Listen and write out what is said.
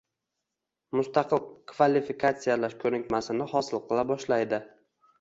mustaqil kvalifikatsiyalash ko‘nikmasini hosil qila boshlaydi.